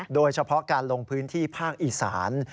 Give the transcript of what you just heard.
โดยเฉพาะการลงพื้นที่ภาคอีสาน